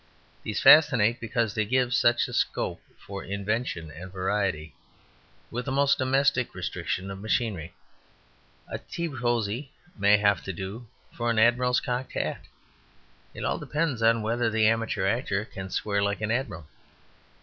These fascinate because they give such a scope for invention and variety with the most domestic restriction of machinery. A tea cosy may have to do for an Admiral's cocked hat; it all depends on whether the amateur actor can swear like an Admiral.